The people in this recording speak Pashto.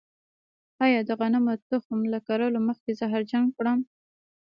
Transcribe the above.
آیا د غنمو تخم له کرلو مخکې زهرجن کړم؟